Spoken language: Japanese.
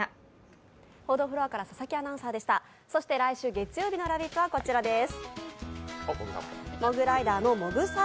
そして来週月曜日の「ラヴィット！」はこちらです。